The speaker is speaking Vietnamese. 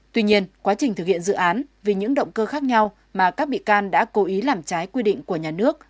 tuy nhiên quá trình thực hiện dự án vì những động cơ khác nhau mà các bị can đã cố ý làm trái quy định của nhà nước